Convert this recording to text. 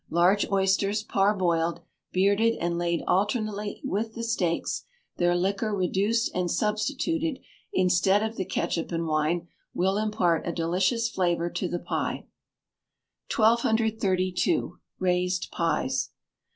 Large oysters, parboiled, bearded, and laid alternately with the steaks their liquor reduced and substituted instead of the ketchup and wine, will impart a delicious flavour to the pie. 1232. Raised Pies.